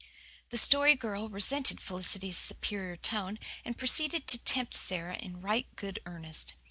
The Story Girl resented Felicity's superior tone, and proceeded to tempt Sara in right good earnest.